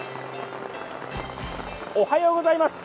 おはようございます。